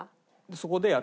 そこでやる？